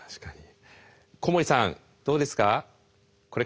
小森さんどうですか？